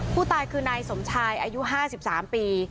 ผู้ตายคือนายสมชายอายุ๕๓ปี